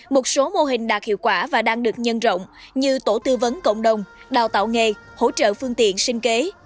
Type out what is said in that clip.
một số mô hình đạt hiệu quả và đang được nhân rộng như tổ tư vấn cộng đồng đào tạo nghề hỗ trợ phương tiện sinh kế